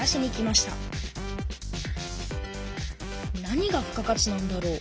何が付加価値なんだろう？